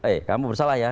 eh kamu bersalah ya